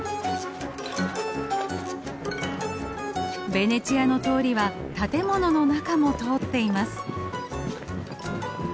ベネチアの通りは建物の中も通っています。